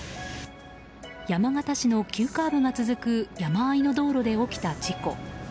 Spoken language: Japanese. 山形市の急カーブが続く山あいの道路で起きた事故。